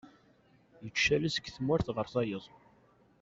Yettcali seg tmurt ɣer tayeḍ.